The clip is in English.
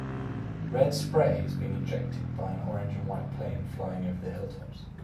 Red spray is being ejected by an orange and white plane flying over the hilltops.